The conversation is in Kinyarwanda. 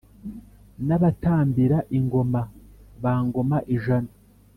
n’abatambira ingoma ba ngoma-ijana.